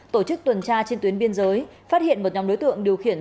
tổ chức tuần tra trên tuyến biên giới phát hiện một nhóm đối tượng điều khiển